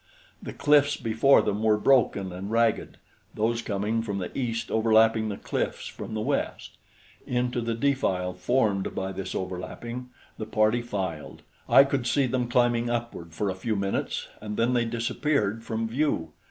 The cliffs before them were broken and ragged, those coming from the east overlapping the cliffs from the west. Into the defile formed by this overlapping the party filed. I could see them climbing upward for a few minutes, and then they disappeared from view.